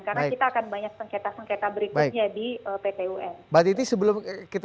karena kita akan banyak sengketa sengketa berikutnya